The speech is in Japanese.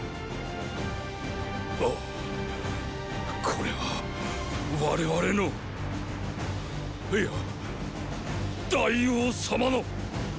これは我々の。いや大王様の。